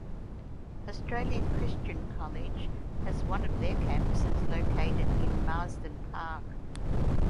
Australian Christian College has one of their campuses located in Marsden Park.